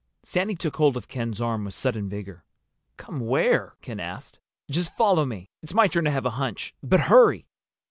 Sandy took hold of Ken's arm with sudden vigor. "Come where?" Ken asked. "Just follow me. It's my turn to have a hunch. But hurry!"